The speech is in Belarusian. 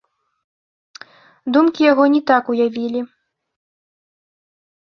Думкі яго не так уявілі.